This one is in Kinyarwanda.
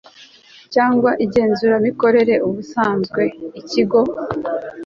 cy igenzuramikorere ubusanzwe Ikigo CMA